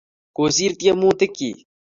Kosir tyemutik chik.